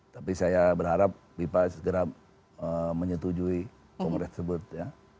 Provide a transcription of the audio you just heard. tapi saya berharap fifa segera menyetujui kongres tersebut ya